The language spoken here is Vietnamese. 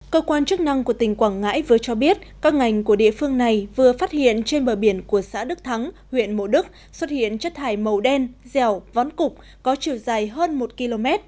cơ quan chức năng của tỉnh quảng ngãi vừa cho biết các ngành của địa phương này vừa phát hiện trên bờ biển của xã đức thắng huyện mộ đức xuất hiện chất thải màu đen dẻo vón cục có chiều dài hơn một km